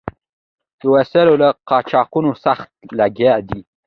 د وسلو له قاچبرانو سخت لګیا دي.